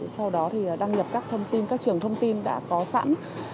sau đó thì đăng nhập các thông tin các trường thông tin đã có sẵn